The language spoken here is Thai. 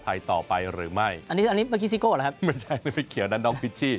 ไม่ใช่เมื่อกี้เกี่ยวนั่นน้องพิชชี่